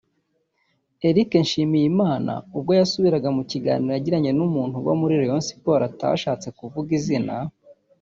Eric Nshimiyimana ubwo yasubiraga mu kiganiro yagiranye n’umuntu uba muri Rayon Sports (atashatse kuvuga izina)